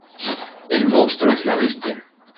Ha sido encontrada entre Costa Rica y Ecuador.